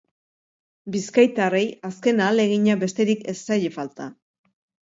Bizkaitarrei azken ahalegina besterik ez zaie falta.